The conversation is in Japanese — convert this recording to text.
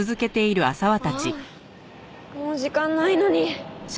ああもう時間ないのに。